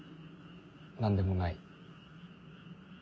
・何でもない。